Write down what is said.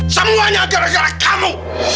semuanya gara gara kamu